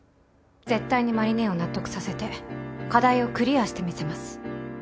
絶対に麻里姉を納得させて課題をクリアしてみせます。